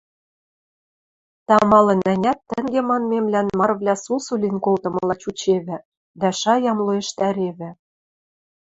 Тамалын-ӓнят тӹнге манмемлӓн марывлӓ сусу лин колтымыла чучевӹ дӓ шаяэм лӧэштаревӹ: